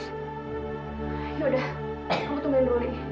ya udah kamu tungguin roli